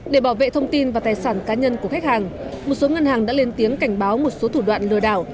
để bảo vệ thông tin và tài sản cá nhân của khách hàng một số ngân hàng đã lên tiếng cảnh báo một số thủ đoạn lừa đảo